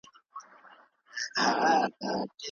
هغه کمپنۍ د وټساپ مالک ده.